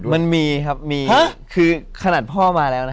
มันมีครับคือขณะพ่อมาแล้ว